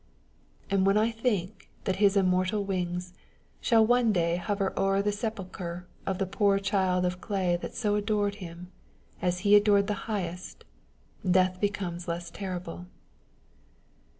1') â€" And when I think that his immortal wings Shall one day hoarer o'er the sepulchre Of the poor child of clay that so adored him, As he adored the Highest, death becomes Less terrible